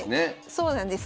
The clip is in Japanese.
そうなんです。